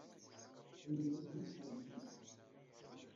D agerruj meqqren i talsa.